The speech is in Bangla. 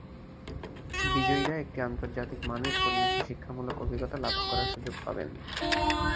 বিজয়ীরা একটি আন্তর্জাতিক মানের পরিবেশে শিক্ষামূলক অভিজ্ঞতা লাভ করার সুযোগ পাবেন।